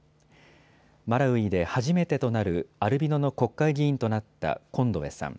マラウイで初めてとなるアルビノの国会議員となったコンドウェさん。